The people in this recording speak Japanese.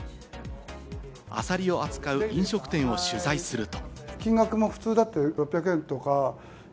アサリを扱う飲食店を取材すると。